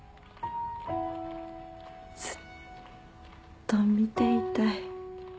ずっと見ていたい。